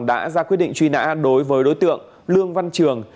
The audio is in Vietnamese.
đã ra quyết định truy nã đối với đối tượng lương văn trường